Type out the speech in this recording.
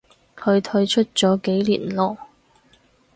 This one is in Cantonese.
佢退出咗幾年咯